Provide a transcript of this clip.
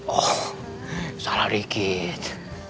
oh salah dikit